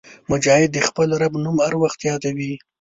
مجاهد د خپل رب نوم هر وخت یادوي.